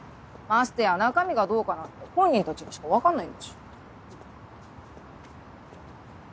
ましてや中身がどうかなんて本人たちにしか分かんないんだし。